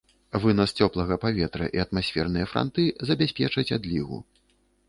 Вынас цёплага паветра і атмасферныя франты забяспечаць адлігу.